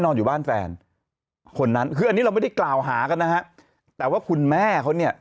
อยู่บ้านแฟนคนนั้นคืออันนี้เราไม่ได้กล่าวหากันนะฮะแต่ว่าคุณแม่เขาเนี่ย